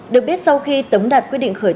được biết sau khi tấm đạt quy định khởi